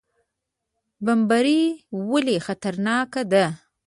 بمبړې ولې خطرناکه ده؟